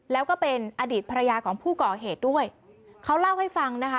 แล้วก็เป็นอดีตภรรยาของผู้ก่อเหตุด้วยเขาเล่าให้ฟังนะคะ